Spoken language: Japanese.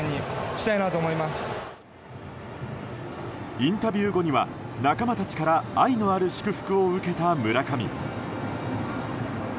インタビュー後には仲間たちから愛のある祝福を受けた村上。